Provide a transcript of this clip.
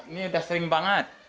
ini udah sering banget